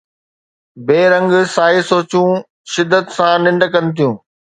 بي رنگ سائي سوچون شدت سان ننڊ ڪن ٿيون